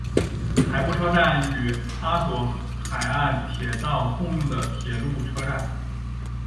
海部车站与阿佐海岸铁道共用的铁路车站。